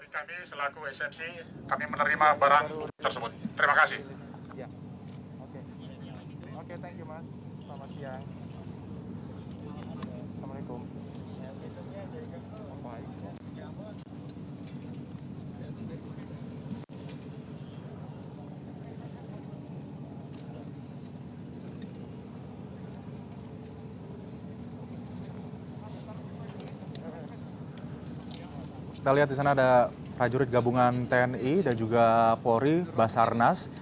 kita lihat di sana ada prajurit gabungan tni dan juga polri basarnas